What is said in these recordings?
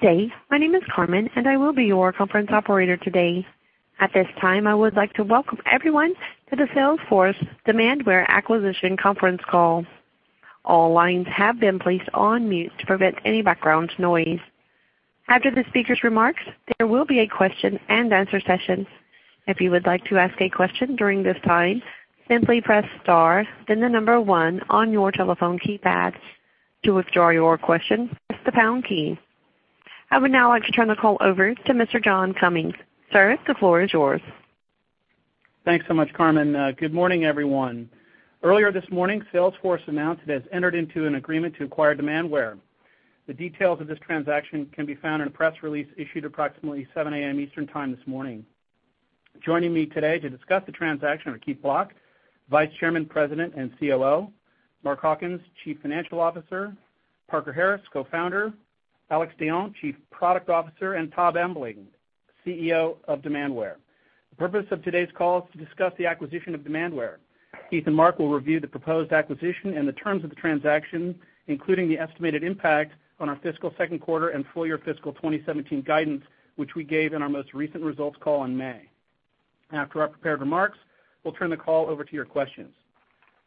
Good day. My name is Carmen, and I will be your conference operator today. At this time, I would like to welcome everyone to the Salesforce Demandware Acquisition conference call. All lines have been placed on mute to prevent any background noise. After the speaker's remarks, there will be a question and answer session. If you would like to ask a question during this time, simply press star, then the number one on your telephone keypad. To withdraw your question, press the pound key. I would now like to turn the call over to Mr. John Cummings. Sir, the floor is yours. Thanks so much, Carmen. Good morning, everyone. Earlier this morning, Salesforce announced it has entered into an agreement to acquire Demandware. The details of this transaction can be found in a press release issued approximately 7:00 A.M. Eastern Time this morning. Joining me today to discuss the transaction are Keith Block, Vice Chairman, President, and COO, Mark Hawkins, Chief Financial Officer, Parker Harris, Co-founder, Alex Dayon, Chief Product Officer, and Tom Ebling, CEO of Demandware. The purpose of today's call is to discuss the acquisition of Demandware. Keith and Mark will review the proposed acquisition and the terms of the transaction, including the estimated impact on our fiscal second quarter and full-year fiscal 2017 guidance, which we gave in our most recent results call in May. After our prepared remarks, we'll turn the call over to your questions.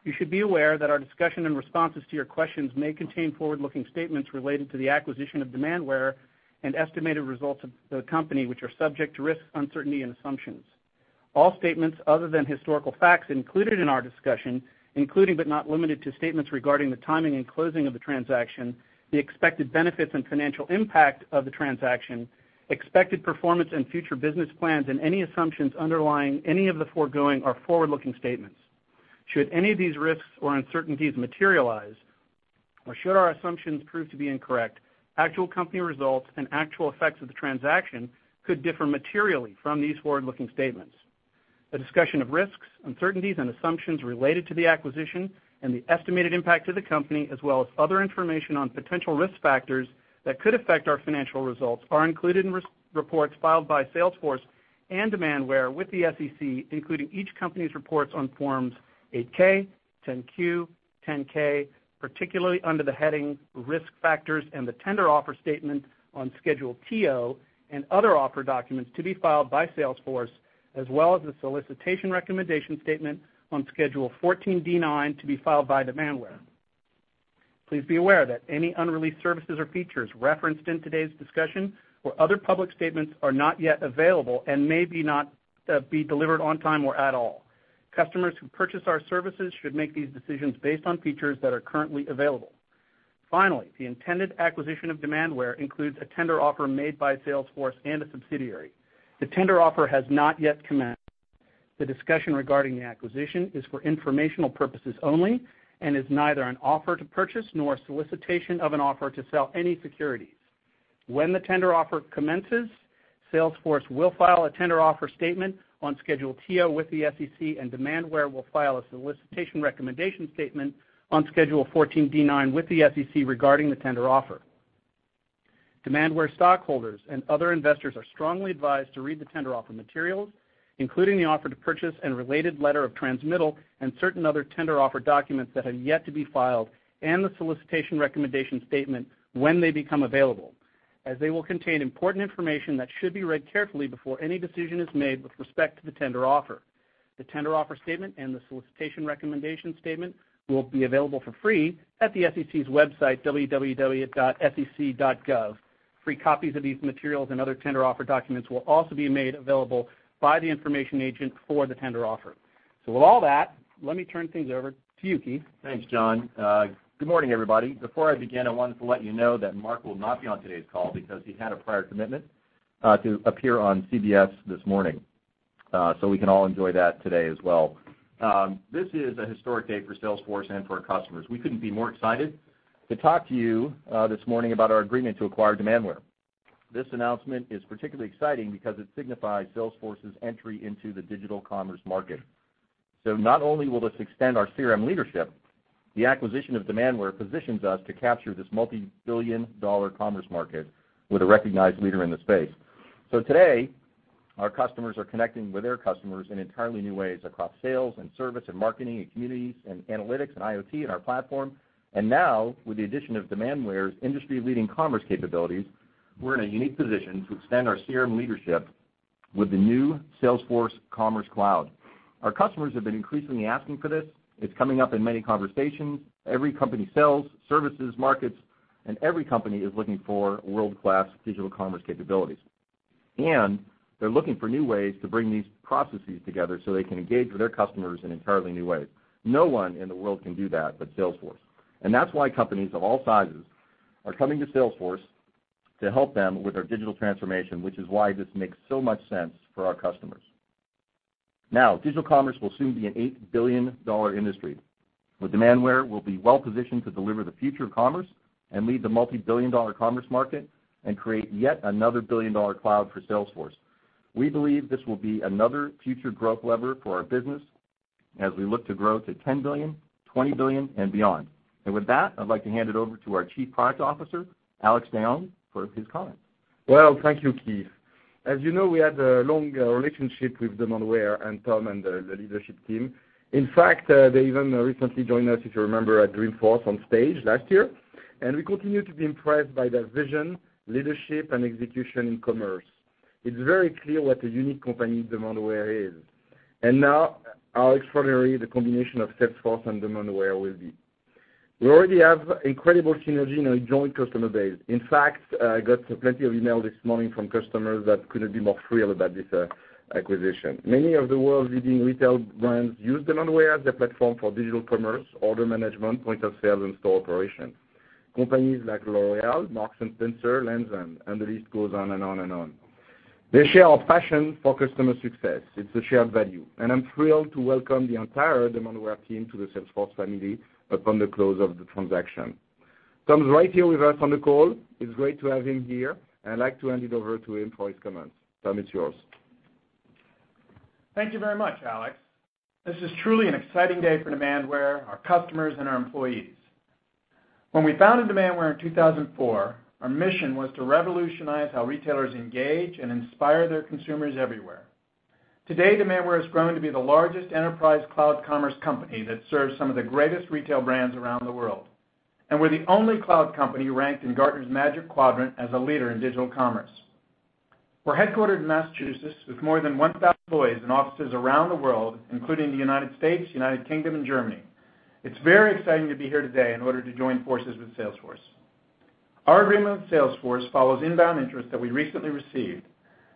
You should be aware that our discussion and responses to your questions may contain forward-looking statements related to the acquisition of Demandware and estimated results of the company, which are subject to risks, uncertainty, and assumptions. All statements other than historical facts included in our discussion, including but not limited to statements regarding the timing and closing of the transaction, the expected benefits and financial impact of the transaction, expected performance and future business plans, and any assumptions underlying any of the foregoing are forward-looking statements. Should any of these risks or uncertainties materialize, or should our assumptions prove to be incorrect, actual company results and actual effects of the transaction could differ materially from these forward-looking statements. A discussion of risks, uncertainties, and assumptions related to the acquisition and the estimated impact to the company, as well as other information on potential risk factors that could affect our financial results, are included in reports filed by Salesforce and Demandware with the SEC, including each company's reports on Forms 8-K, 10-Q, 10-K, particularly under the heading Risk Factors and the Tender Offer Statement on Schedule TO and other offer documents to be filed by Salesforce, as well as the Solicitation Recommendation Statement on Schedule 14D-9 to be filed by Demandware. Please be aware that any unreleased services or features referenced in today's discussion or other public statements are not yet available and may be not be delivered on time or at all. Customers who purchase our services should make these decisions based on features that are currently available. Finally, the intended acquisition of Demandware includes a tender offer made by Salesforce and a subsidiary. The tender offer has not yet commenced. The discussion regarding the acquisition is for informational purposes only and is neither an offer to purchase nor a solicitation of an offer to sell any securities. When the tender offer commences, Salesforce will file a tender offer statement on Schedule TO with the SEC, and Demandware will file a solicitation recommendation statement on Schedule 14D-9 with the SEC regarding the tender offer. Demandware stockholders and other investors are strongly advised to read the tender offer materials, including the offer to purchase and related letter of transmittal and certain other tender offer documents that have yet to be filed and the solicitation recommendation statement when they become available, as they will contain important information that should be read carefully before any decision is made with respect to the tender offer. The tender offer statement and the solicitation recommendation statement will be available for free at the SEC's website, www.sec.gov. Free copies of these materials and other tender offer documents will also be made available by the information agent for the tender offer. With all that, let me turn things over to you, Keith. Thanks, John. Good morning, everybody. Before I begin, I wanted to let you know that Mark will not be on today's call because he had a prior commitment to appear on CBS this morning. We can all enjoy that today as well. This is a historic day for Salesforce and for our customers. We couldn't be more excited to talk to you this morning about our agreement to acquire Demandware. This announcement is particularly exciting because it signifies Salesforce's entry into the digital commerce market. Not only will this extend our CRM leadership, the acquisition of Demandware positions us to capture this multibillion-dollar commerce market with a recognized leader in the space. Today, our customers are connecting with their customers in entirely new ways across sales and service and marketing and communities and analytics and IoT and our platform. Now, with the addition of Demandware's industry-leading commerce capabilities, we're in a unique position to extend our CRM leadership with the new Salesforce Commerce Cloud. Our customers have been increasingly asking for this. It's coming up in many conversations. Every company sells, services, markets, and every company is looking for world-class digital commerce capabilities. They're looking for new ways to bring these processes together so they can engage with their customers in entirely new ways. No one in the world can do that but Salesforce. That's why companies of all sizes are coming to Salesforce to help them with their digital transformation, which is why this makes so much sense for our customers. Now, digital commerce will soon be an $8 billion industry. With Demandware, we'll be well-positioned to deliver the future of commerce and lead the multibillion-dollar commerce market and create yet another billion-dollar cloud for Salesforce. We believe this will be another future growth lever for our business as we look to grow to $10 billion, $20 billion, and beyond. With that, I'd like to hand it over to our Chief Product Officer, Alex Dayon, for his comments. Well, thank you, Keith. As you know, we had a long relationship with Demandware and Tom and the leadership team. In fact, they even recently joined us, if you remember, at Dreamforce on stage last year. We continue to be impressed by their vision, leadership, and execution in commerce. It's very clear what a unique company Demandware is. Now how extraordinary the combination of Salesforce and Demandware will be. We already have incredible synergy in our joint customer base. In fact, I got plenty of email this morning from customers that couldn't be more thrilled about this acquisition. Many of the world's leading retail brands use Demandware as their platform for digital commerce, order management, point of sale, and store operation. Companies like L'Oréal, Marks & Spencer, Lands' End, and the list goes on and on and on. They share our passion for customer success. It's a shared value. I'm thrilled to welcome the entire Demandware team to the Salesforce family upon the close of the transaction. Tom's right here with us on the call. It's great to have him here. I'd like to hand it over to him for his comments. Tom, it's yours. Thank you very much, Alex. This is truly an exciting day for Demandware, our customers, and our employees. When we founded Demandware in 2004, our mission was to revolutionize how retailers engage and inspire their consumers everywhere. Today, Demandware has grown to be the largest enterprise cloud commerce company that serves some of the greatest retail brands around the world. We're the only cloud company ranked in Gartner's Magic Quadrant as a leader in digital commerce. We're headquartered in Massachusetts with more than 1,000 employees and offices around the world, including the U.S., U.K., and Germany. It's very exciting to be here today in order to join forces with Salesforce. Our agreement with Salesforce follows inbound interest that we recently received.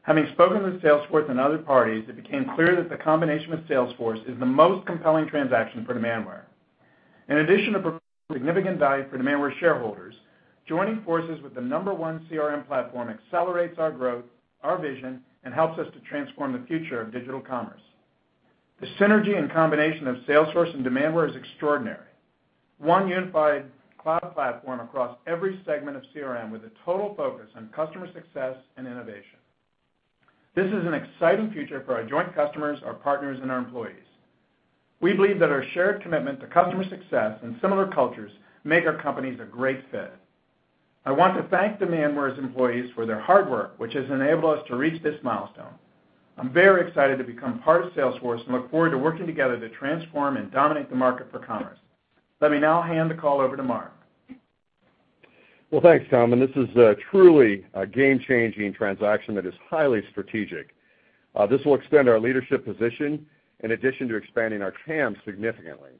Having spoken with Salesforce and other parties, it became clear that the combination with Salesforce is the most compelling transaction for Demandware. In addition to providing significant value for Demandware shareholders, joining forces with the number one CRM platform accelerates our growth, our vision, and helps us to transform the future of digital commerce. The synergy and combination of Salesforce and Demandware is extraordinary. One unified cloud platform across every segment of CRM with a total focus on customer success and innovation. This is an exciting future for our joint customers, our partners, and our employees. We believe that our shared commitment to customer success and similar cultures make our companies a great fit. I want to thank Demandware's employees for their hard work, which has enabled us to reach this milestone. I'm very excited to become part of Salesforce and look forward to working together to transform and dominate the market for commerce. Let me now hand the call over to Mark. Well, thanks, Tom, and this is truly a game-changing transaction that is highly strategic. This will extend our leadership position in addition to expanding our TAM significantly.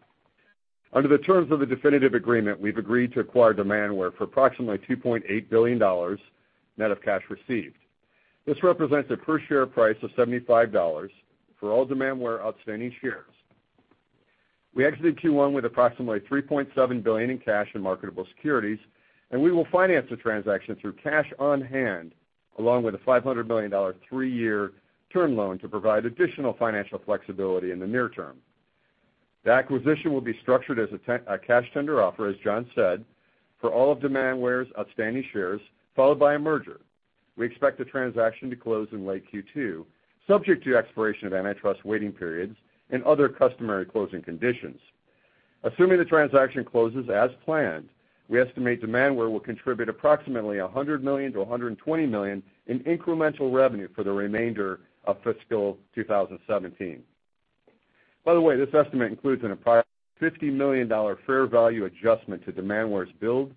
Under the terms of the definitive agreement, we've agreed to acquire Demandware for approximately $2.8 billion, net of cash received. This represents a per-share price of $75 for all Demandware outstanding shares. We exited Q1 with approximately $3.7 billion in cash and marketable securities, and we will finance the transaction through cash on hand, along with a $500 million three-year term loan to provide additional financial flexibility in the near term. The acquisition will be structured as a cash tender offer, as John said, for all of Demandware's outstanding shares, followed by a merger. We expect the transaction to close in late Q2, subject to expiration of antitrust waiting periods and other customary closing conditions. Assuming the transaction closes as planned, we estimate Demandware will contribute approximately $100 million-$120 million in incremental revenue for the remainder of FY 2017. By the way, this estimate includes an approximately $50 million fair value adjustment to Demandware's billed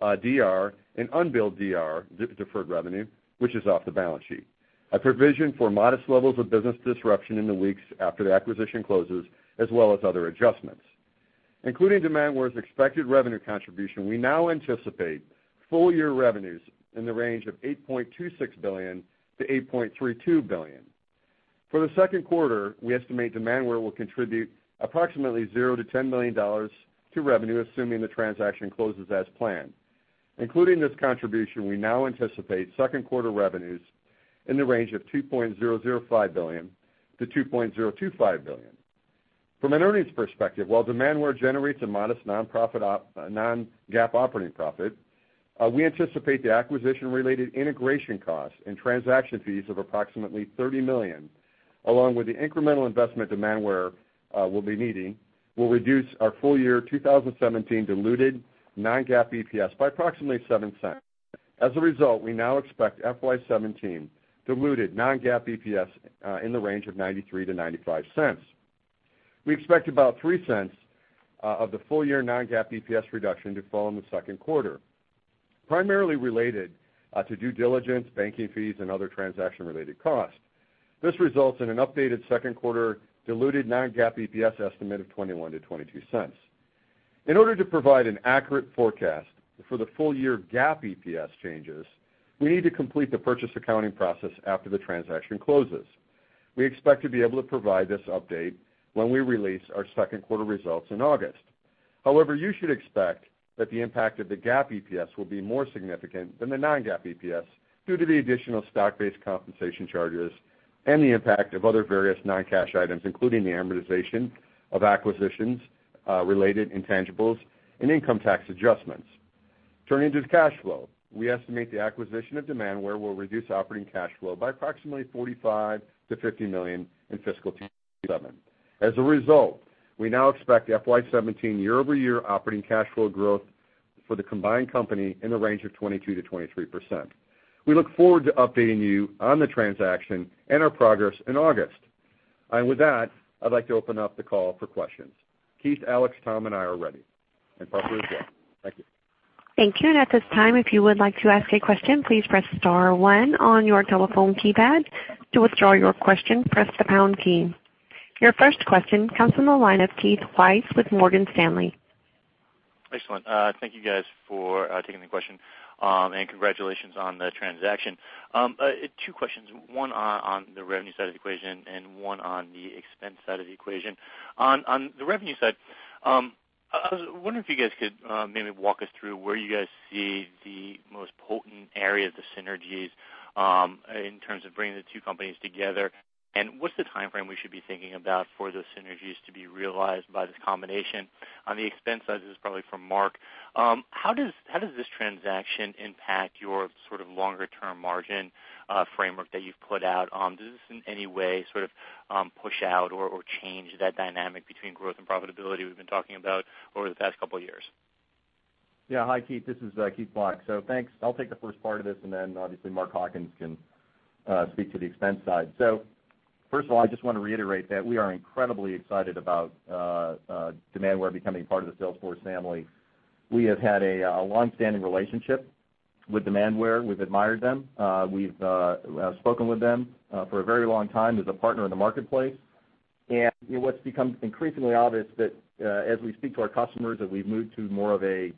DR and unbilled DR, deferred revenue, which is off the balance sheet, a provision for modest levels of business disruption in the weeks after the acquisition closes, as well as other adjustments. Including Demandware's expected revenue contribution, we now anticipate full-year revenues in the range of $8.26 billion-$8.32 billion. For the second quarter, we estimate Demandware will contribute approximately $0-$10 million to revenue, assuming the transaction closes as planned. Including this contribution, we now anticipate second quarter revenues in the range of $2.005 billion-$2.025 billion. From an earnings perspective, while Demandware generates a modest non-GAAP operating profit, we anticipate the acquisition-related integration costs and transaction fees of approximately $30 million, along with the incremental investment Demandware will be needing, will reduce our full-year 2017 diluted non-GAAP EPS by approximately $0.07. As a result, we now expect FY 2017 diluted non-GAAP EPS in the range of $0.93-$0.95. We expect about $0.03 of the full-year non-GAAP EPS reduction to fall in the second quarter, primarily related to due diligence, banking fees, and other transaction-related costs. This results in an updated second quarter diluted non-GAAP EPS estimate of $0.21-$0.22. In order to provide an accurate forecast for the full-year GAAP EPS changes, we need to complete the purchase accounting process after the transaction closes. We expect to be able to provide this update when we release our second quarter results in August. However, you should expect that the impact of the GAAP EPS will be more significant than the non-GAAP EPS due to the additional stock-based compensation charges and the impact of other various non-cash items, including the amortization of acquisitions related intangibles and income tax adjustments. Turning to the cash flow, we estimate the acquisition of Demandware will reduce operating cash flow by approximately $45 million-$50 million in fiscal 2017. As a result, we now expect FY 2017 year-over-year operating cash flow growth For the combined company in the range of 22%-23%. We look forward to updating you on the transaction and our progress in August. With that, I'd like to open up the call for questions. Keith, Alex, Tom, and I are ready, and Parker as well. Thank you. Thank you. At this time, if you would like to ask a question, please press star one on your telephone keypad. To withdraw your question, press the pound key. Your first question comes from the line of Keith Weiss with Morgan Stanley. Excellent. Thank you guys for taking the question, and congratulations on the transaction. Two questions, one on the revenue side of the equation and one on the expense side of the equation. On the revenue side, I was wondering if you guys could maybe walk us through where you guys see the most potent areas of synergies, in terms of bringing the two companies together. What's the timeframe we should be thinking about for those synergies to be realized by this combination? On the expense side, this is probably for Mark. How does this transaction impact your sort of longer-term margin framework that you've put out? Does this in any way sort of push out or change that dynamic between growth and profitability we've been talking about over the past couple of years? Hi, Keith. This is Keith Block. Thanks. I'll take the first part of this, and then obviously Mark Hawkins can speak to the expense side. First of all, I just want to reiterate that we are incredibly excited about Demandware becoming part of the Salesforce family. We have had a longstanding relationship with Demandware. We've admired them. We've spoken with them for a very long time as a partner in the marketplace. What's become increasingly obvious, that as we speak to our customers, that we've moved to more of a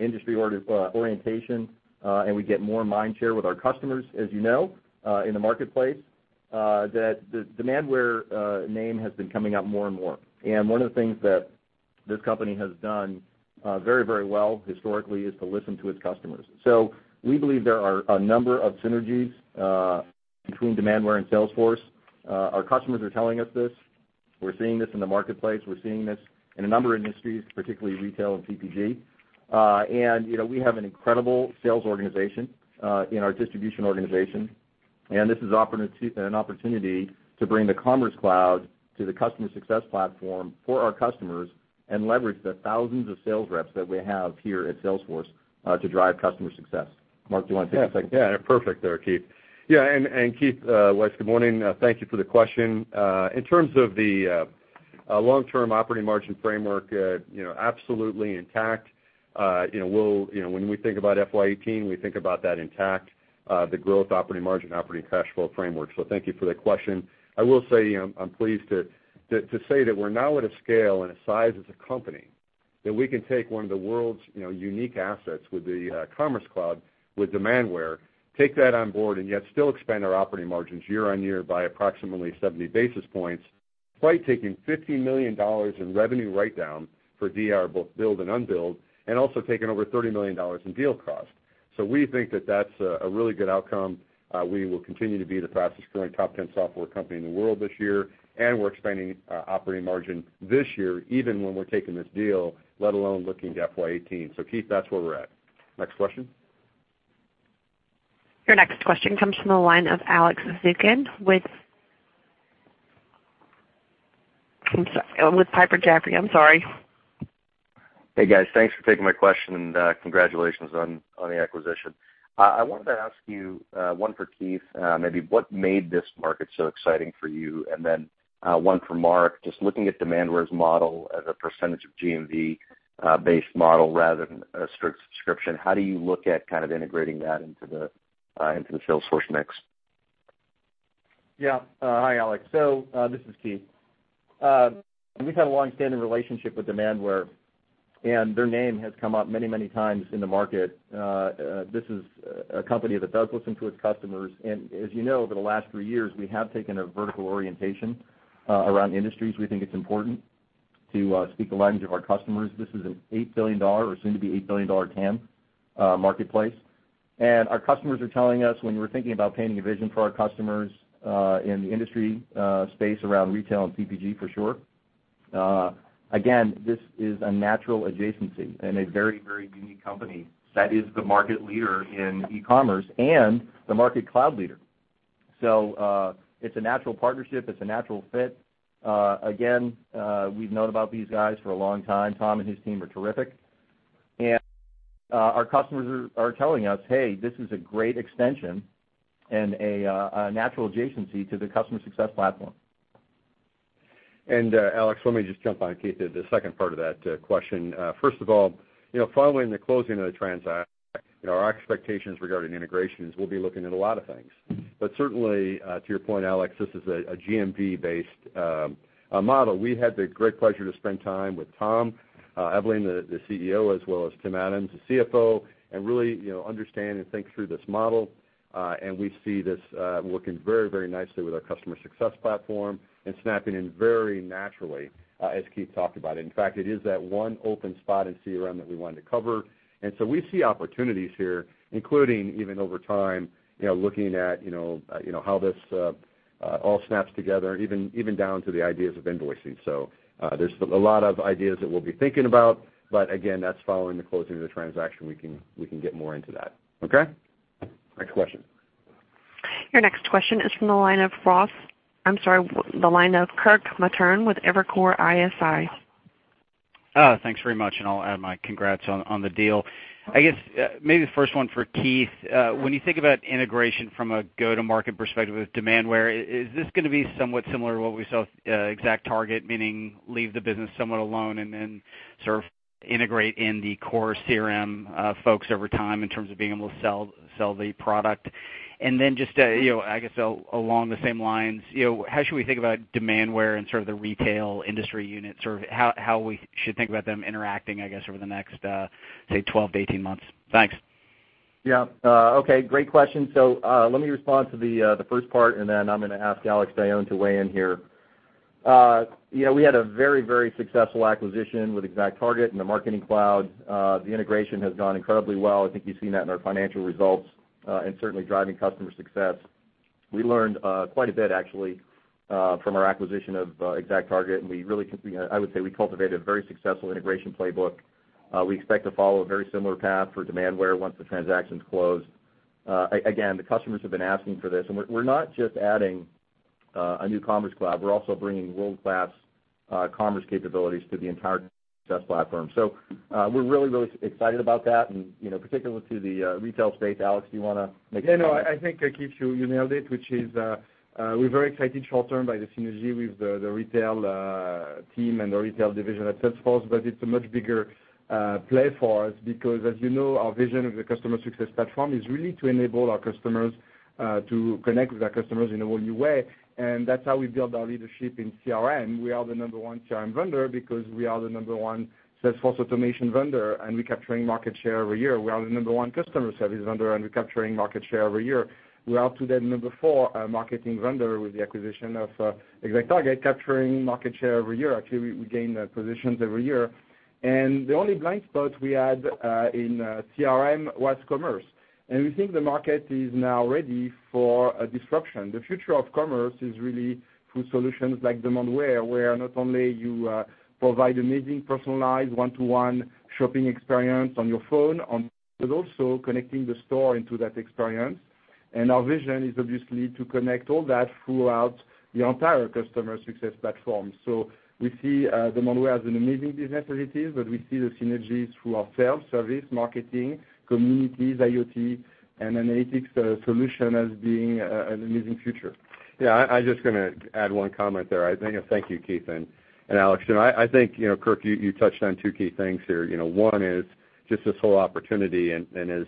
industry orientation, and we get more mind share with our customers, as you know, in the marketplace, that the Demandware name has been coming up more and more. One of the things that this company has done very, very well historically is to listen to its customers. We believe there are a number of synergies between Demandware and Salesforce. Our customers are telling us this. We're seeing this in the marketplace. We're seeing this in a number of industries, particularly retail and CPG. We have an incredible sales organization in our distribution organization, and this is an opportunity to bring the Commerce Cloud to the customer success platform for our customers and leverage the thousands of sales reps that we have here at Salesforce to drive customer success. Mark, do you want to take a second? Perfect there, Keith. Keith Weiss, good morning. Thank you for the question. In terms of the long-term operating margin framework, absolutely intact. When we think about FY 2018, we think about that intact, the growth operating margin, operating cash flow framework. Thank you for that question. I will say I'm pleased to say that we're now at a scale and a size as a company that we can take one of the world's unique assets with the Commerce Cloud, with Demandware, take that on board, and yet still expand our operating margins year-over-year by approximately 70 basis points, despite taking $15 million in revenue write-down for DR, both billed and unbilled, and also taking over $30 million in deal cost. We think that that's a really good outcome. We will continue to be the fastest-growing top 10 software company in the world this year, and we're expanding operating margin this year, even when we're taking this deal, let alone looking to FY 2018. Keith, that's where we're at. Next question. Your next question comes from the line of Alex Zukin with Piper Jaffray. I'm sorry. Hey, guys. Thanks for taking my question, and congratulations on the acquisition. I wanted to ask you, one for Keith, maybe what made this market so exciting for you? Then, one for Mark, just looking at Demandware's model as a percentage of GMV-based model rather than a strict subscription, how do you look at kind of integrating that into the Salesforce mix? Yeah. Hi, Alex. This is Keith. We've had a longstanding relationship with Demandware, and their name has come up many, many times in the market. This is a company that does listen to its customers. As you know, over the last three years, we have taken a vertical orientation around industries. We think it's important to speak the language of our customers. This is an $8 billion, or soon to be $8 billion TAM marketplace. Our customers are telling us, when we're thinking about painting a vision for our customers, in the industry space around retail and CPG for sure. Again, this is a natural adjacency and a very, very unique company that is the market leader in e-commerce and the market cloud leader. It's a natural partnership. It's a natural fit. Again, we've known about these guys for a long time. Tom and his team are terrific. Our customers are telling us, "Hey, this is a great extension and a natural adjacency to the customer success platform. Alex, let me just jump on, Keith, the second part of that question. First of all, following the closing of the transaction, our expectations regarding integrations, we'll be looking at a lot of things. Certainly, to your point, Alex, this is a GMV-based model. We had the great pleasure to spend time with Tom Ebling, the CEO, as well as Tim Adams, the CFO, and really understand and think through this model. We see this working very, very nicely with our customer success platform and snapping in very naturally, as Keith talked about. In fact, it is that one open spot in CRM that we wanted to cover. So we see opportunities here, including even over time, looking at how this all snaps together, even down to the ideas of invoicing. There's a lot of ideas that we'll be thinking about, again, that's following the closing of the transaction. We can get more into that. Okay? Next question. Your next question is from the line of Ross. I'm sorry, the line of Kirk Materne with Evercore ISI. Thanks very much, and I'll add my congrats on the deal. I guess maybe the first one for Keith. When you think about integration from a go-to-market perspective with Demandware, is this going to be somewhat similar to what we saw with ExactTarget, meaning leave the business somewhat alone and then sort of integrate in the core CRM folks over time in terms of being able to sell the product? Then just, I guess along the same lines, how should we think about Demandware and sort of the retail industry unit, how we should think about them interacting, I guess, over the next, say, 12 to 18 months? Thanks. Yeah. Okay, great question. Let me respond to the first part, then I'm going to ask Alex Dayon to weigh in here. We had a very successful acquisition with ExactTarget and the Marketing Cloud. The integration has gone incredibly well. I think you've seen that in our financial results, and certainly driving customer success. We learned quite a bit, actually, from our acquisition of ExactTarget, and I would say we cultivated a very successful integration playbook. We expect to follow a very similar path for Demandware once the transaction's closed. Again, the customers have been asking for this, and we're not just adding a new Commerce Cloud, we're also bringing world-class commerce capabilities to the entire success platform. We're really excited about that, and particularly to the retail space. Alex, do you want to make a comment? Yeah, no, I think, Keith, you nailed it, which is, we're very excited short-term by the synergy with the retail team and the retail division at Salesforce. It's a much bigger play for us because, as you know, our vision of the customer success platform is really to enable our customers to connect with their customers in a whole new way. That's how we build our leadership in CRM. We are the number 1 CRM vendor because we are the number 1 Salesforce automation vendor, and we're capturing market share every year. We are the number 1 customer service vendor, and we're capturing market share every year. We're up to the number 4 marketing vendor with the acquisition of ExactTarget, capturing market share every year. Actually, we gain positions every year. The only blind spot we had in CRM was commerce. We think the market is now ready for a disruption. The future of commerce is really through solutions like Demandware, where not only you provide amazing personalized, one-to-one shopping experience on your phone, but also connecting the store into that experience. Our vision is obviously to connect all that throughout the entire customer success platform. We see Demandware as an amazing business as it is, but we see the synergies through our self-service, marketing, communities, IoT, and analytics solution as being an amazing future. Yeah, I'm just going to add one comment there. Thank you, Keith and Alex. I think Kirk, you touched on two key things here. One is just this whole opportunity, and as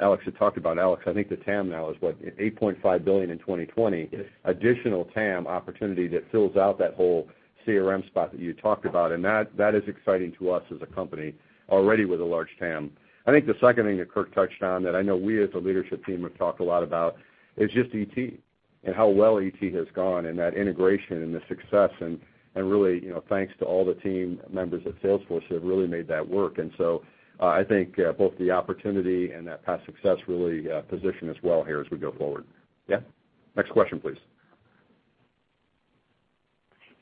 Alex had talked about, Alex, I think the TAM now is what, $8.5 billion in 2020- Yes additional TAM opportunity that fills out that whole CRM spot that you talked about, and that is exciting to us as a company already with a large TAM. I think the second thing that Kirk touched on that I know we as a leadership team have talked a lot about is just ET and how well ET has gone and that integration and the success and really, thanks to all the team members at Salesforce who have really made that work. So I think both the opportunity and that past success really position us well here as we go forward. Yeah. Next question, please.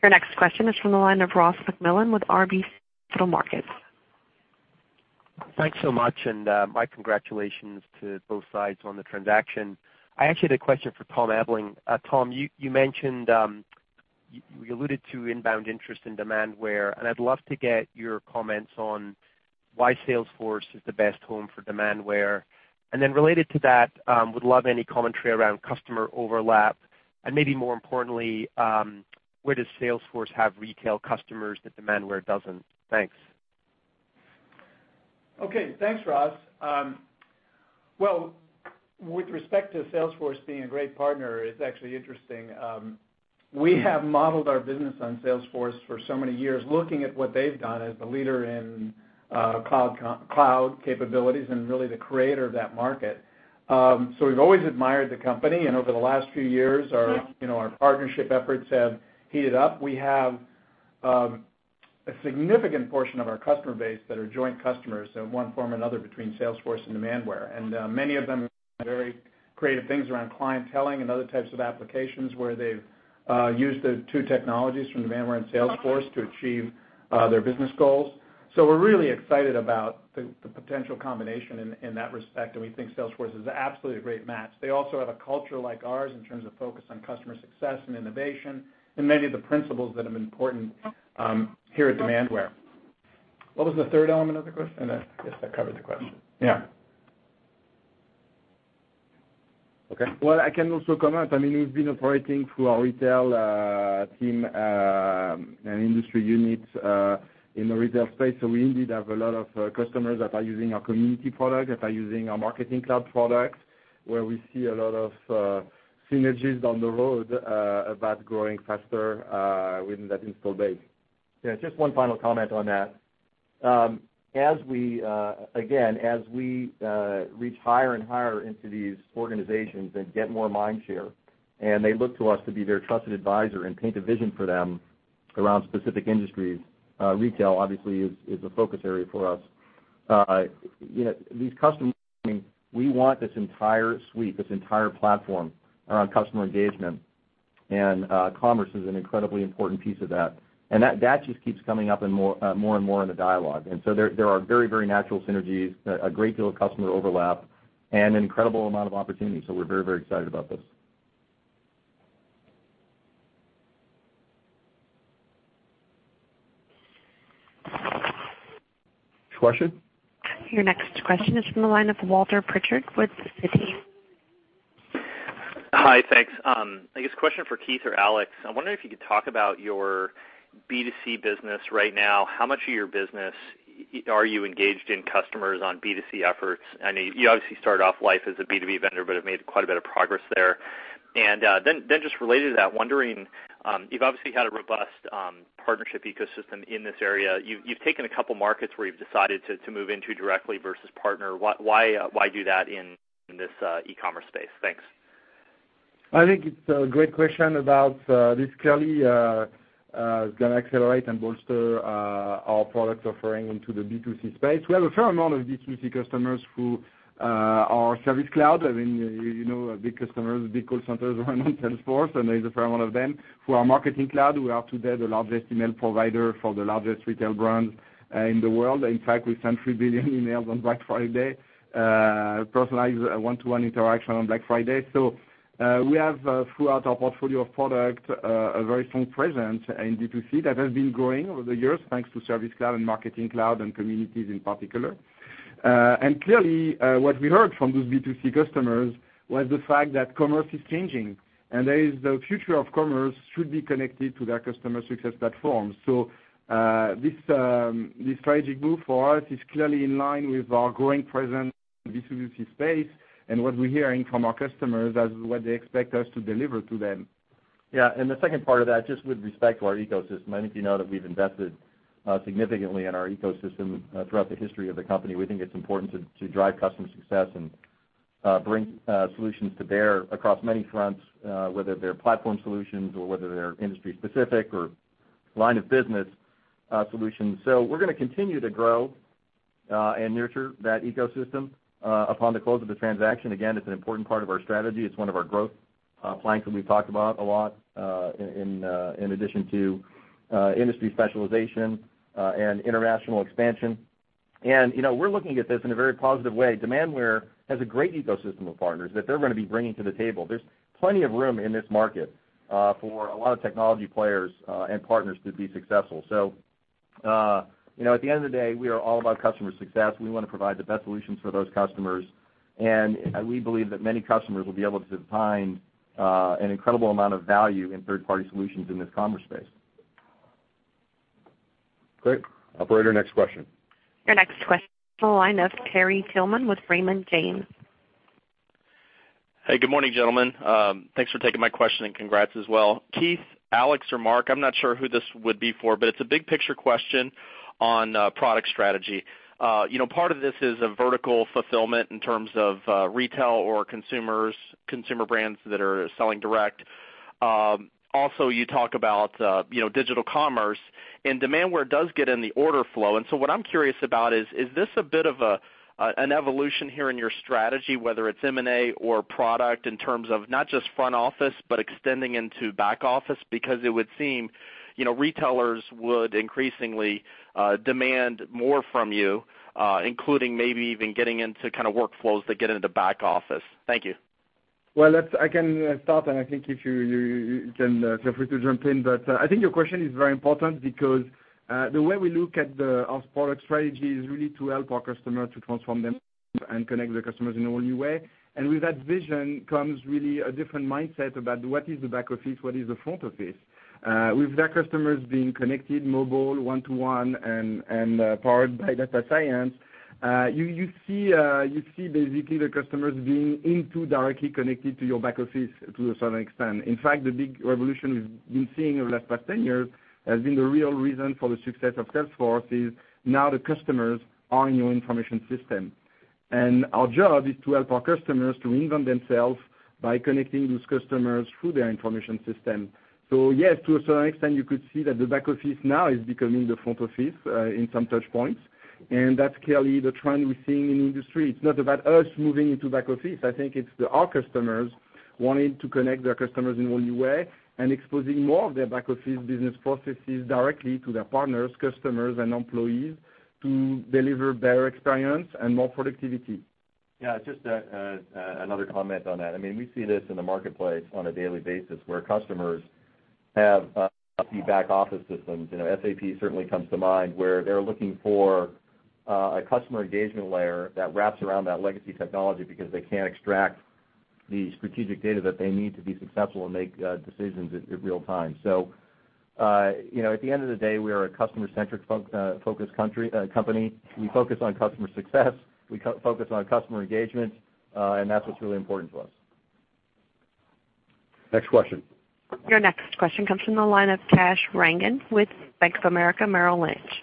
Your next question is from the line of Ross MacMillan with RBC Capital Markets. Thanks so much. My congratulations to both sides on the transaction. I actually had a question for Tom Ebling. Tom, you alluded to inbound interest in Demandware, and I'd love to get your comments on why Salesforce is the best home for Demandware. Related to that, would love any commentary around customer overlap, and maybe more importantly, where does Salesforce have retail customers that Demandware doesn't? Thanks. Okay, thanks, Ross. With respect to Salesforce being a great partner, it's actually interesting. We have modeled our business on Salesforce for so many years, looking at what they've done as the leader in cloud capabilities and really the creator of that market. We've always admired the company, and over the last few years, our partnership efforts have heated up. We have a significant portion of our customer base that are joint customers in one form or another between Salesforce and Demandware. Many of them have very creative things around clienteling and other types of applications where they've used the two technologies from Demandware and Salesforce to achieve their business goals. We're really excited about the potential combination in that respect, and we think Salesforce is absolutely a great match. They also have a culture like ours in terms of focus on customer success and innovation and many of the principles that have been important here at Demandware. What was the third element of the question? I guess that covered the question. Yeah. Okay. I can also comment. We've been operating through our retail team, and industry units in the retail space. We indeed have a lot of customers that are using our community product, that are using our Marketing Cloud product, where we see a lot of synergies down the road about growing faster within that install base. Yeah, just one final comment on that. Again, as we reach higher and higher into these organizations and get more mind share, they look to us to be their trusted advisor and paint a vision for them around specific industries, retail obviously is a focus area for us. These customers are saying we want this entire suite, this entire platform around customer engagement. Commerce is an incredibly important piece of that. That just keeps coming up more and more in the dialogue. There are very natural synergies, a great deal of customer overlap, and an incredible amount of opportunity. We're very excited about this. Next question. Your next question is from the line of Walter Pritchard with Citi. Hi, thanks. I guess question for Keith or Alex, I wonder if you could talk about your B2C business right now. How much of your business are you engaged in customers on B2C efforts? You obviously started off life as a B2B vendor, but have made quite a bit of progress there. Then just related to that, wondering, you've obviously had a robust partnership ecosystem in this area. You've taken a couple markets where you've decided to move into directly versus partner. Why do that in this e-commerce space? Thanks. I think it's a great question about this clearly is going to accelerate and bolster our product offering into the B2C space. We have a fair amount of B2C customers who are Service Cloud. I mean, you know big customers, big call centers run on Salesforce, and there's a fair amount of them who are Marketing Cloud. We are today the largest email provider for the largest retail brands in the world. In fact, we sent 3 billion emails on Black Friday, personalized one-to-one interaction on Black Friday. We have, throughout our portfolio of product, a very strong presence in B2C that has been growing over the years, thanks to Service Cloud and Marketing Cloud, and communities in particular. Clearly, what we heard from those B2C customers was the fact that commerce is changing, and the future of commerce should be connected to their customer success platform. This strategic move for us is clearly in line with our growing presence in B2C space and what we're hearing from our customers as what they expect us to deliver to them. Yeah. The second part of that, just with respect to our ecosystem, many of you know that we've invested significantly in our ecosystem throughout the history of the company. We think it's important to drive customer success and bring solutions to bear across many fronts, whether they're platform solutions or whether they're industry-specific or line-of-business solutions. We're going to continue to grow and nurture that ecosystem upon the close of the transaction. Again, it's an important part of our strategy. It's one of our growth planks that we've talked about a lot, in addition to industry specialization and international expansion. We're looking at this in a very positive way. Demandware has a great ecosystem of partners that they're going to be bringing to the table. There's plenty of room in this market for a lot of technology players and partners to be successful. At the end of the day, we are all about customer success, and we want to provide the best solutions for those customers. We believe that many customers will be able to find an incredible amount of value in third-party solutions in this commerce space. Great. Operator, next question. Your next question comes from the line of Terry Tillman with Raymond James. Hey, good morning, gentlemen. Thanks for taking my question and congrats as well. Keith, Alex, or Marc, I'm not sure who this would be for, but it's a big-picture question on product strategy. Part of this is a vertical fulfillment in terms of retail or consumer brands that are selling direct. Also, you talk about digital commerce, and Demandware does get in the order flow. What I'm curious about is this a bit of an evolution here in your strategy, whether it's M&A or product, in terms of not just front office, but extending into back office? It would seem, retailers would increasingly demand more from you, including maybe even getting into kind of workflows that get into back office. Thank you. Well, I can start. I think you can feel free to jump in. I think your question is very important because the way we look at our product strategy is really to help our customers to transform them and connect their customers in a whole new way. With that vision comes really a different mindset about what is the back office, what is the front office. With their customers being connected, mobile, one-to-one, and powered by data science, you see basically the customers being into directly connected to your back office to a certain extent. In fact, the big revolution we've been seeing over the past 10 years has been the real reason for the success of Salesforce is now the customers are in your information system. Our job is to help our customers to reinvent themselves by connecting those customers through their information system. Yes, to a certain extent, you could see that the back office now is becoming the front office in some touch points. That's clearly the trend we're seeing in the industry. It's not about us moving into back office. I think it's our customers wanting to connect their customers in a whole new way and exposing more of their back-office business processes directly to their partners, customers, and employees to deliver better experience and more productivity. Just another comment on that. We see this in the marketplace on a daily basis where customers have back-office systems. SAP certainly comes to mind, where they're looking for a customer engagement layer that wraps around that legacy technology because they can't extract the strategic data that they need to be successful and make decisions in real time. At the end of the day, we are a customer-centric-focused company. We focus on customer success, we focus on customer engagement, and that's what's really important to us. Next question. Your next question comes from the line of Kash Rangan with Bank of America Merrill Lynch.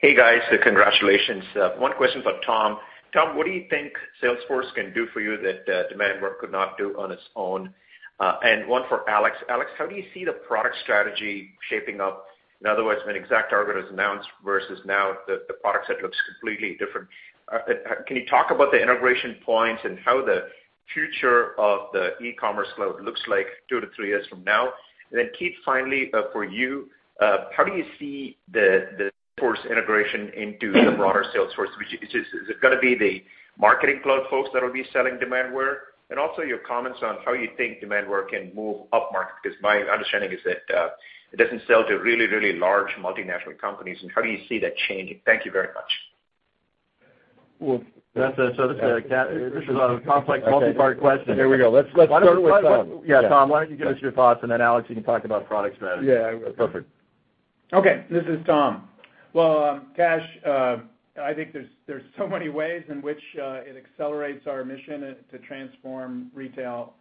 Hey, guys, congratulations. One question for Tom. Tom, what do you think Salesforce can do for you that Demandware could not do on its own? One for Alex. Alex, how do you see the product strategy shaping up? In other words, when ExactTarget was announced versus now, the product set looks completely different. Can you talk about the integration points and how the- future of the e-commerce cloud looks like two to three years from now. Keith, finally, for you, how do you see the Salesforce integration into the broader Salesforce? Is it going to be the Marketing Cloud folks that will be selling Demandware? Your comments on how you think Demandware can move up market, because my understanding is that it doesn't sell to really large multinational companies, and how do you see that changing? Thank you very much. This is a complex multi-part question. There we go. Let's start with Tom. Yeah, Tom, why don't you give us your thoughts, then Alex, you can talk about product strategy. Yeah. Perfect. Okay. This is Tom. Well, Kash, I think there's so many ways in which it accelerates our mission to transform retail.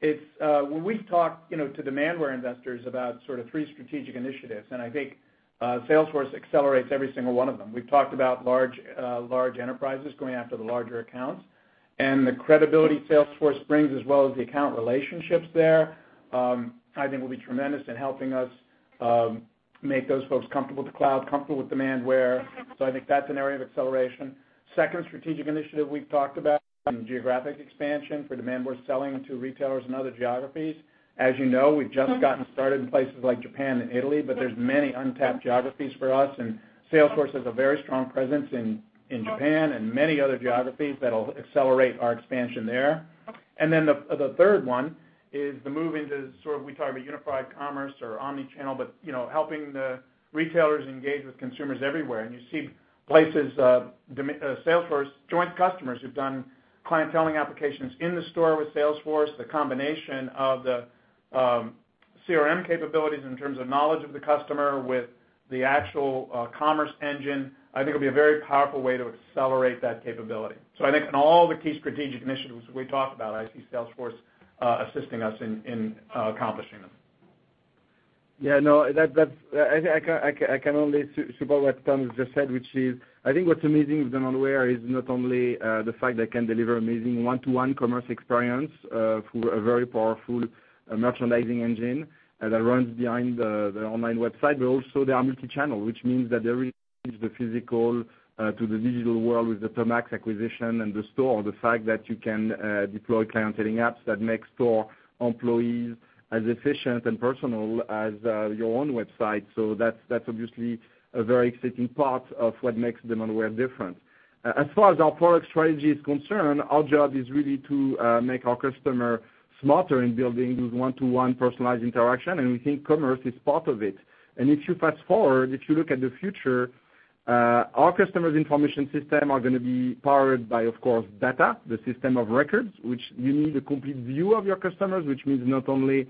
When we've talked to Demandware investors about sort of 3 strategic initiatives, I think Salesforce accelerates every single one of them. We've talked about large enterprises going after the larger accounts, and the credibility Salesforce brings as well as the account relationships there, I think will be tremendous in helping us make those folks comfortable with the cloud, comfortable with Demandware. I think that's an area of acceleration. Second strategic initiative we've talked about, geographic expansion for Demandware selling to retailers in other geographies. As you know, we've just gotten started in places like Japan and Italy, but there's many untapped geographies for us, Salesforce has a very strong presence in Japan and many other geographies that'll accelerate our expansion there. The third one is the move into sort of, we talk about unified commerce or omni-channel, but helping the retailers engage with consumers everywhere. You see places, Salesforce joint customers, who've done clienteling applications in the store with Salesforce, the combination of the CRM capabilities in terms of knowledge of the customer with the actual commerce engine, I think will be a very powerful way to accelerate that capability. I think in all the key strategic initiatives we talked about, I see Salesforce assisting us in accomplishing them. Yeah, no, I can only support what Tom just said, which is, I think what's amazing with Demandware is not only the fact they can deliver amazing one-to-one commerce experience through a very powerful merchandising engine that runs behind the online website, but also they are multi-channel, which means that they bridge the physical to the digital world with the Tomax acquisition and the store. The fact that you can deploy clienteling apps that make store employees as efficient and personal as your own website. That's obviously a very exciting part of what makes Demandware different. As far as our product strategy is concerned, our job is really to make our customer smarter in building those one-to-one personalized interaction, we think commerce is part of it. If you fast-forward, if you look at the future, our customer's information system are going to be powered by, of course, data, the system of records, which you need a complete view of your customers, which means not only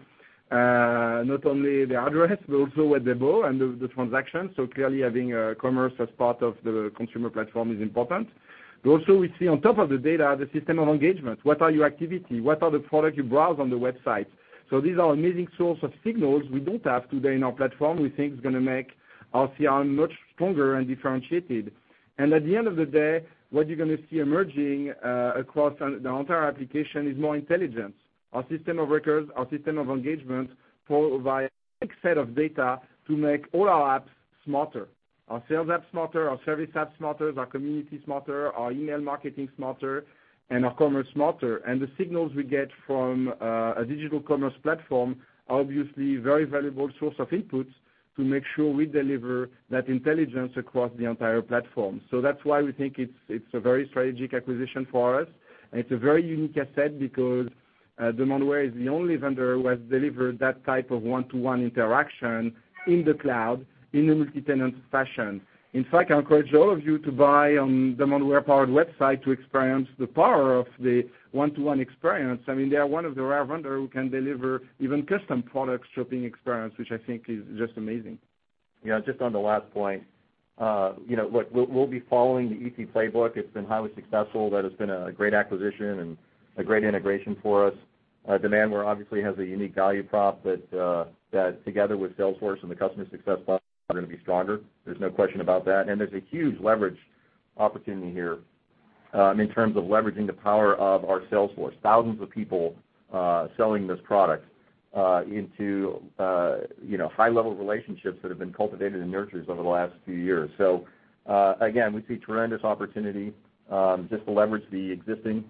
the address, but also what they buy and the transaction. Clearly, having commerce as part of the consumer platform is important. Also, we see on top of the data, the system of engagement. What are your activity? What are the product you browse on the website? These are amazing source of signals we don't have today in our platform, we think is going to make our CRM much stronger and differentiated. At the end of the day, what you're going to see emerging across the entire application is more intelligence. Our system of records, our system of engagement, powered by a big set of data to make all our apps smarter. Our sales apps smarter, our service apps smarter, our communities smarter, our email marketing smarter, and our commerce smarter. The signals we get from a digital commerce platform are obviously very valuable source of inputs to make sure we deliver that intelligence across the entire platform. That's why we think it's a very strategic acquisition for us. It's a very unique asset because Demandware is the only vendor who has delivered that type of one-to-one interaction in the cloud, in a multi-tenant fashion. In fact, I encourage all of you to buy on Demandware-powered website to experience the power of the one-to-one experience. They are one of the rare vendor who can deliver even custom product shopping experience, which I think is just amazing. Yeah, just on the last point. Look, we'll be following the ET playbook. It's been highly successful. That has been a great acquisition and a great integration for us. Demandware obviously has a unique value prop that together with Salesforce and the customer success platform, are going to be stronger. There's no question about that. There's a huge leverage opportunity here, in terms of leveraging the power of our Salesforce. Thousands of people selling this product into high-level relationships that have been cultivated and nurtured over the last few years. Again, we see tremendous opportunity, just to leverage the existing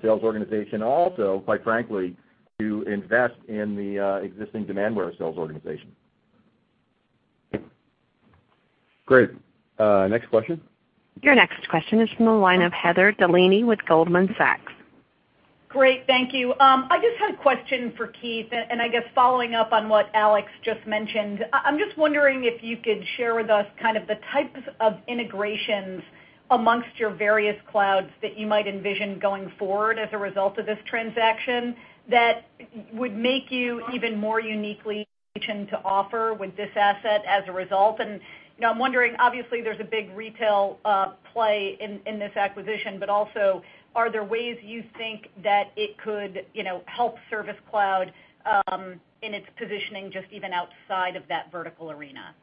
sales organization. Also, quite frankly, to invest in the existing Demandware sales organization. Great. Next question. Your next question is from the line of Heather Bellini with Goldman Sachs. Great. Thank you. I just had a question for Keith, and I guess following up on what Alex just mentioned. I'm just wondering if you could share with us kind of the types of integrations amongst your various clouds that you might envision going forward as a result of this transaction, that would make you even more uniquely positioned to offer with this asset as a result. Also, are there ways you think that it could help Service Cloud in its positioning, just even outside of that vertical arena?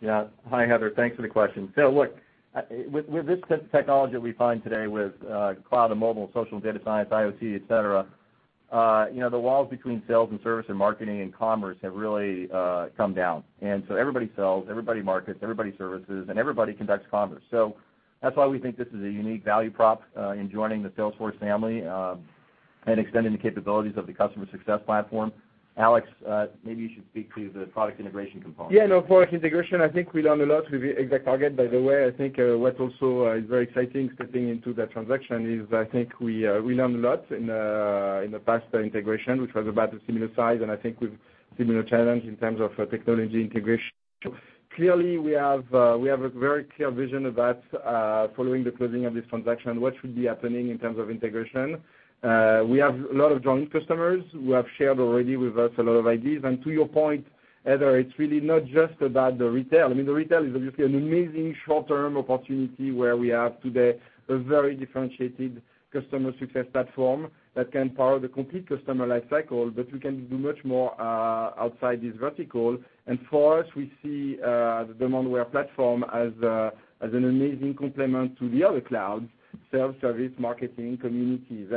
Yeah. Hi, Heather. Thanks for the question. Look, with this technology that we find today with cloud and mobile, social, data science, IoT, et cetera. The walls between sales and service and marketing and commerce have really come down. Everybody sells, everybody markets, everybody services, and everybody conducts commerce. That's why we think this is a unique value prop in joining the Salesforce family and extending the capabilities of the customer success platform. Alex, maybe you should speak to the product integration component. Yeah, no, product integration, I think we learned a lot with ExactTarget, by the way. I think what also is very exciting, stepping into that transaction, is I think we learned a lot in the past integration, which was about a similar size, and I think with similar challenge in terms of technology integration. Clearly, we have a very clear vision about following the closing of this transaction, what should be happening in terms of integration. We have a lot of joint customers who have shared already with us a lot of ideas. To your point, Heather, it's really not just about the retail. I mean, the retail is obviously an amazing short-term opportunity where we have today a very differentiated customer success platform that can power the complete customer life cycle, but we can do much more outside this vertical. For us, we see the Demandware platform as an amazing complement to the other clouds, self-service, Marketing Cloud, Communities.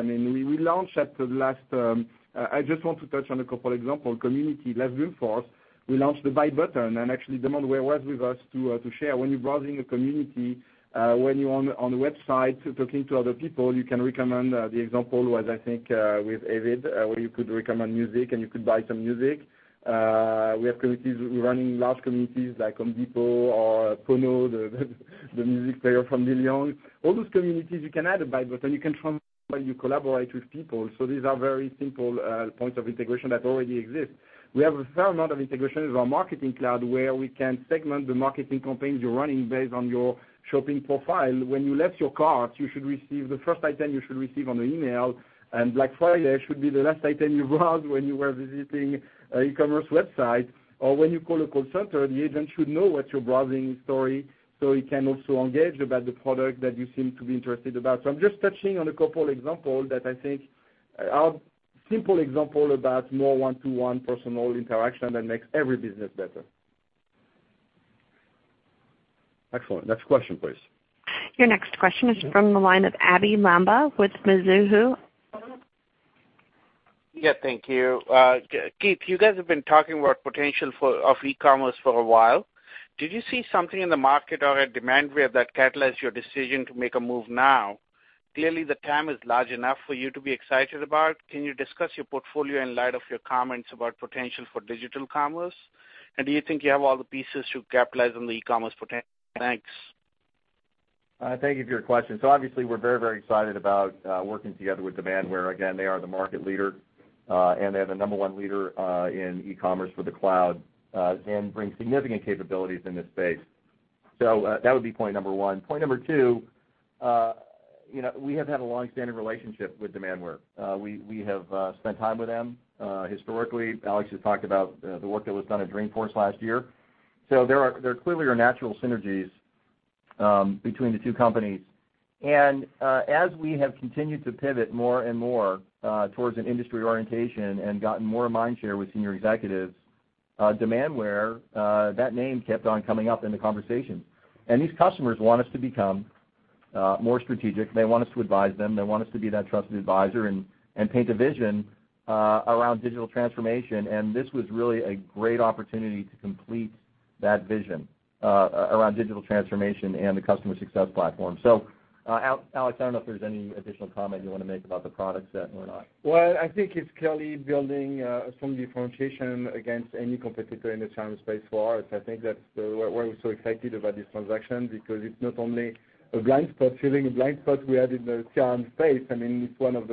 I just want to touch on a couple example. Community, last Dreamforce, we launched the buy button, and actually Demandware was with us to share. When you're browsing a community, when you're on the website talking to other people, you can recommend. The example was, I think, with Avid, where you could recommend music, and you could buy some music. We have communities. We're running large communities like The Home Depot or Pono, the music player from Neil Young. All those communities, you can add a buy button. You can from when you collaborate with people. These are very simple points of integration that already exist. We have a fair amount of integration with our Marketing Cloud, where we can segment the marketing campaigns you're running based on your shopping profile. When you left your cart, the first item you should receive on the email, Black Friday should be the last item you browse when you are visiting e-commerce website. When you call a call center, the agent should know what you're browsing history, so he can also engage about the product that you seem to be interested about. I'm just touching on a couple example that I think are simple example about more one-to-one personal interaction that makes every business better. Excellent. Next question, please. Your next question is from the line of Abhey Lamba with Mizuho. Yeah, thank you. Keith, you guys have been talking about potential of e-commerce for a while. Did you see something in the market or at Demandware that catalyzed your decision to make a move now? Clearly, the TAM is large enough for you to be excited about. Can you discuss your portfolio in light of your comments about potential for digital commerce? Do you think you have all the pieces to capitalize on the e-commerce potential? Thanks. Thank you for your question. Obviously, we're very excited about working together with Demandware. Again, they are the market leader, and they're the number one leader in e-commerce for the cloud, and bring significant capabilities in this space. That would be point number 1. Point number 2, we have had a longstanding relationship with Demandware. We have spent time with them historically. Alex has talked about the work that was done at Dreamforce last year. There clearly are natural synergies between the two companies. As we have continued to pivot more and more towards an industry orientation and gotten more mind share with senior executives, Demandware, that name kept on coming up in the conversation. These customers want us to become more strategic. They want us to advise them. They want us to be that trusted advisor and paint a vision around digital transformation, this was really a great opportunity to complete that vision around digital transformation and the customer success platform. Alex, I don't know if there's any additional comment you want to make about the product set or not. Well, I think it's clearly building strong differentiation against any competitor in the CRM space for us. I think that's why we're so excited about this transaction, because it's not only filling a blind spot we had in the CRM space. I mean, e-commerce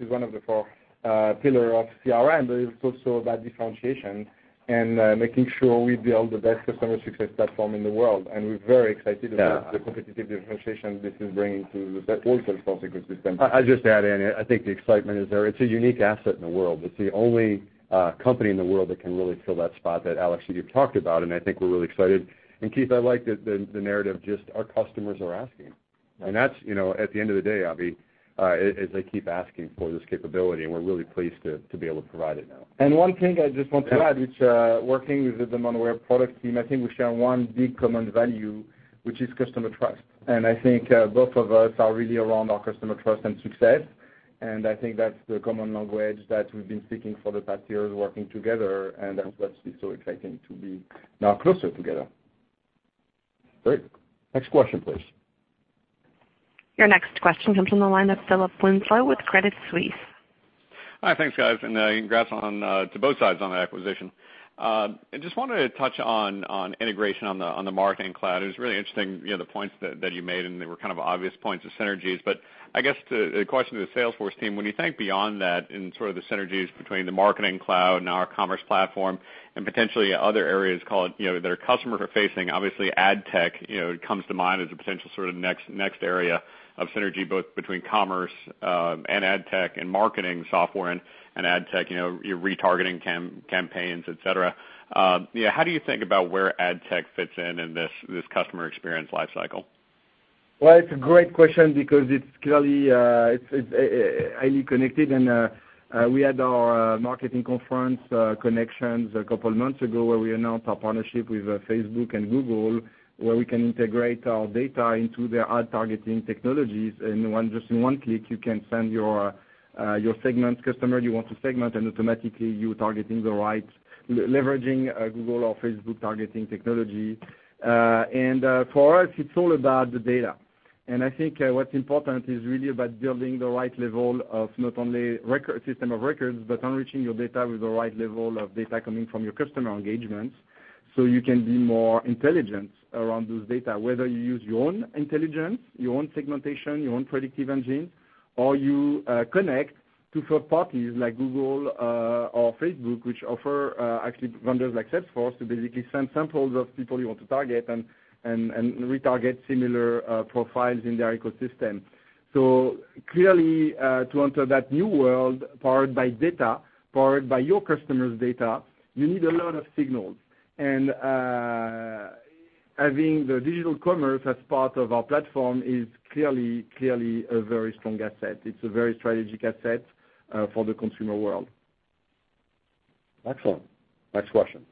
is one of the four pillar of CRM, but it's also about differentiation and making sure we build the best customer success platform in the world. We're very excited. Yeah about the competitive differentiation this is bringing to that whole Salesforce ecosystem. I'll just add in, I think the excitement is there. It's a unique asset in the world. It's the only company in the world that can really fill that spot that Alex and you have talked about, and I think we're really excited. Keith, I like the narrative, just our customers are asking. Yeah. At the end of the day, Abhey, is they keep asking for this capability, and we're really pleased to be able to provide it now. One thing I just want to add. Yeah which working with the Demandware product team, I think we share one big common value, which is customer trust. I think both of us are really around our customer trust and success, I think that's the common language that we've been speaking for the past years working together, That's what's so exciting to be now closer together. Great. Next question, please. Your next question comes from the line of Philip Winslow with Credit Suisse. Hi, thanks, guys. Congrats to both sides on the acquisition. I just wanted to touch on integration on the Marketing Cloud. It was really interesting the points that you made, they were kind of obvious points of synergies. I guess the question to the Salesforce team, when you think beyond that in sort of the synergies between the Marketing Cloud and our commerce platform and potentially other areas that are customer facing, obviously ad tech comes to mind as a potential sort of next area of synergy both between commerce and ad tech and marketing software and ad tech, your retargeting campaigns, et cetera. How do you think about where ad tech fits in in this customer experience life cycle? Well, it's a great question because it's clearly highly connected. We had our marketing conference, Connections, a couple of months ago, where we announced our partnership with Facebook and Google, where we can integrate our data into their ad targeting technologies. With just one click, you can send your segment customer you want to segment, and automatically, you're targeting the right, leveraging Google or Facebook targeting technology. For us, it's all about the data. I think what's important is really about building the right level of not only system of records, but enriching your data with the right level of data coming from your customer engagements, so you can be more intelligent around those data, whether you use your own intelligence, your own segmentation, your own predictive engine, or you connect to third parties like Google or Facebook, which offer actually vendors like Salesforce to basically send samples of people you want to target and retarget similar profiles in their ecosystem. Clearly, to enter that new world powered by data, powered by your customers' data, you need a lot of signals. Having the digital commerce as part of our platform is clearly a very strong asset. It's a very strategic asset for the consumer world. Excellent. Next question.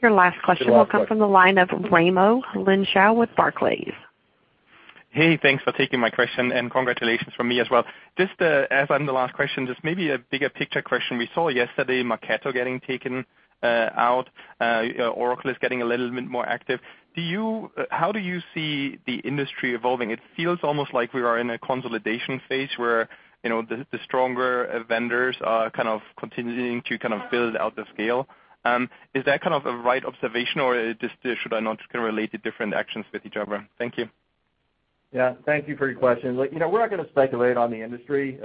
Your last question will come from the line of Raimo Lenschow with Barclays. Hey, thanks for taking my question, and congratulations from me as well. As I'm the last question, maybe a bigger picture question. We saw yesterday Marketo getting taken out. Oracle is getting a little bit more active. How do you see the industry evolving? It feels almost like we are in a consolidation phase where the stronger vendors are continuing to build out the scale. Is that a right observation, or should I not relate the different actions with each other? Thank you. Yeah. Thank you for your question. We're not going to speculate on the industry.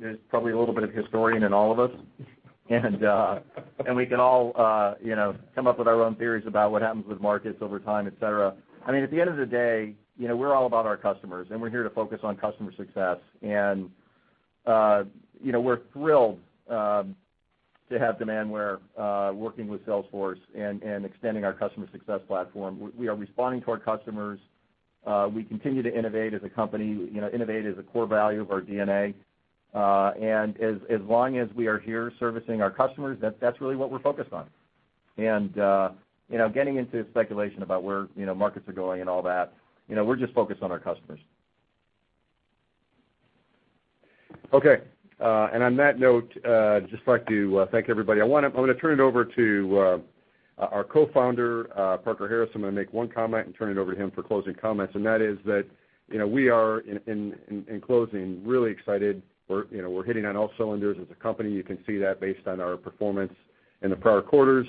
There's probably a little bit of historian in all of us, and we can all come up with our own theories about what happens with markets over time, et cetera. At the end of the day, we're all about our customers, and we're here to focus on customer success. We're thrilled to have Demandware working with Salesforce and extending our customer success platform. We are responding to our customers. We continue to innovate as a company. Innovate is a core value of our DNA. As long as we are here servicing our customers, that's really what we're focused on. Getting into speculation about where markets are going and all that, we're just focused on our customers. Okay. On that note, just like to thank everybody. I'm going to turn it over to our co-founder, Parker Harris. I'm going to make one comment and turn it over to him for closing comments. That is that, we are, in closing, really excited. We're hitting on all cylinders as a company. You can see that based on our performance in the prior quarters.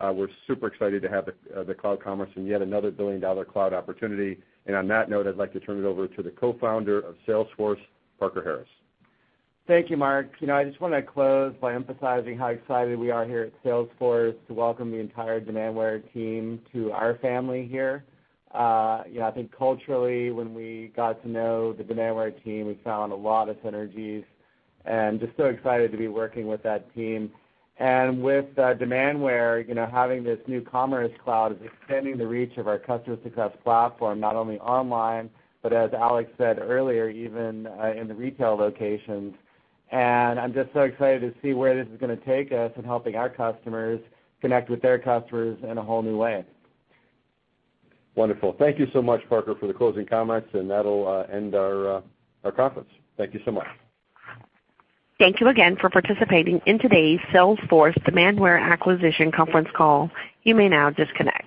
We're super excited to have the Commerce Cloud and yet another billion-dollar cloud opportunity. On that note, I'd like to turn it over to the co-founder of Salesforce, Parker Harris. Thank you, Marc. I just want to close by emphasizing how excited we are here at Salesforce to welcome the entire Demandware team to our family here. I think culturally, when we got to know the Demandware team, we found a lot of synergies, just so excited to be working with that team. With Demandware, having this new Commerce Cloud is extending the reach of our customer success platform, not only online, but as Alex said earlier, even in the retail locations. I'm just so excited to see where this is going to take us in helping our customers connect with their customers in a whole new way. Wonderful. Thank you so much, Parker, for the closing comments, that'll end our conference. Thank you so much. Thank you again for participating in today's Salesforce Demandware Acquisition conference call. You may now disconnect.